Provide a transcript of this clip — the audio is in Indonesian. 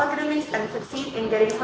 ekonomi di luar akademik dan